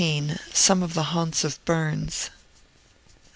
SOME OF THE HAUNTS OF BURNS.